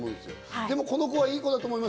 でもこの子はいい子だと思います。